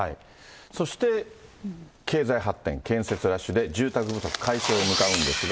そして経済発展、建設ラッシュで、住宅不足解消へ向かうんですが。